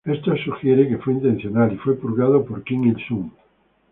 Esto sugiere que fue intencional y fue purgado por Kim Il-sung.